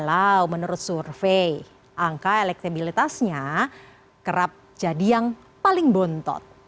kalau menurut survei angka elektabilitasnya kerap jadi yang paling bontot